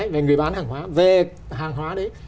về hàng hóa đấy